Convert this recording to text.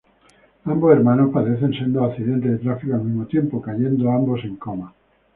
Ambos hermanos padecen sendos accidentes de tráfico al mismo tiempo, cayendo ambos en coma.